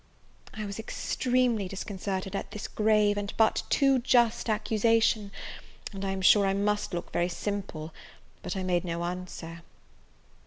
I was extremely disconcerted at this grave, and but too just accusation, and I am sure I must look very simple; but I made no answer.